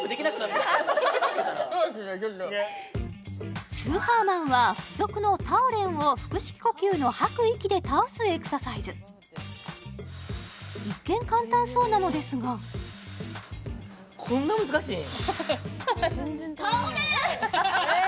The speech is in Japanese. ちょっとスーハーマンは付属のタオレンを腹式呼吸の吐く息で倒すエクササイズ一見簡単そうなのですがこんな難しいん？